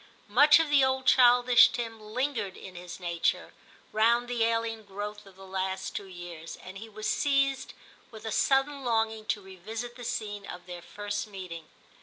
Much of the old childish Tim lingered in his nature, round the alien growth of the last two years, and he was seized with a sudden longing to revisit the scene of their first meeting.